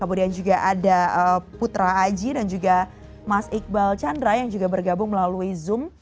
kemudian juga ada putra aji dan juga mas iqbal chandra yang juga bergabung melalui zoom